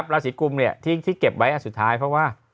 ราศีกุมเนี่ยที่เก็บไว้สุดท้ายเพราะว่า